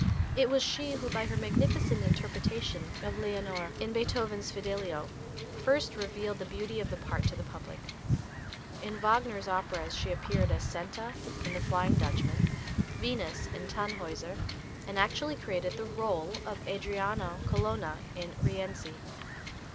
It was she who by her magnificent interpretation of Leonore, in Beethoven's "Fidelio," first revealed the beauty of the part to the public. In Wagner's operas she appeared as Senta, in the "Flying Dutchman"; Venus, in "Tannhäuser," and actually created the rôle of Adriano Colonna, in "Rienzi."